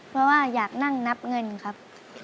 เพราะว่าอยากนั่งนับเงินครับ